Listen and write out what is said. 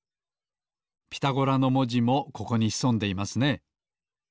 「ピタゴラ」のもじもここにひそんでいますね。